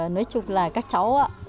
nói chung là các cháu